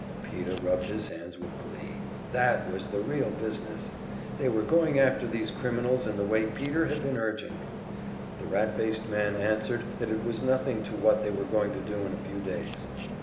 Peter rubbed his hands with glee. That was the real business! That was going after these criminals in the way Peter had been urging! The rat faced man answered that it was nothing to what they were going to do in a few days.